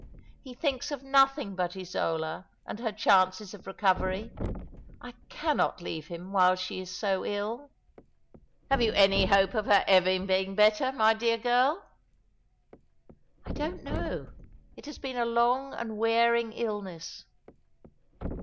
He thinks of nothing but Isola, and her chances of recovery. I cannot leave him while she is so ill." , "Have you any hope of her ever being better, my dear girl?" " I don't know. It has been a long and wearing illness."